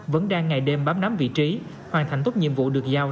vẫn đang ngày đêm bám nắm vị trí hoàn thành tốt nhiệm vụ được giao